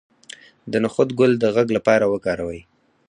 د نخود ګل د غږ لپاره وکاروئ